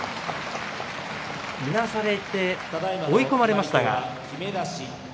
いなされて追い込まれました。